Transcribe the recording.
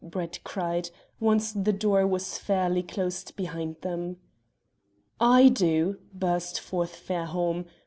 Brett cried, once the door was fairly closed behind them. "I do," burst forth Fairholme.